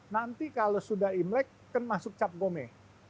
nanti kalau sudah imlek kan masuk cap gome